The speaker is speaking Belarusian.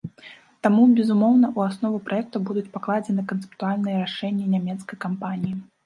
Таму, безумоўна, у аснову праекта будуць пакладзены канцэптуальныя рашэнні нямецкай кампаніі.